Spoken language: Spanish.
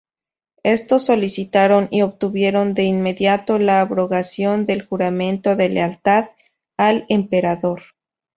Estos solicitaron y obtuvieron de inmediato la abrogación del juramento de lealtad al emperador.